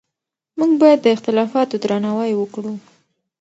موږ باید د اختلافاتو درناوی وکړو.